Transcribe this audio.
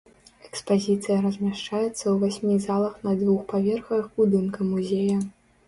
Экспазіцыя размяшчаецца ў васьмі залах на двух паверхах будынка музея.